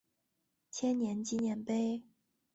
千年纪念碑。